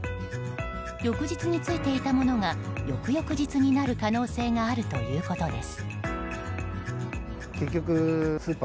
翌日に着いていたものが翌々日になる可能性があるということです。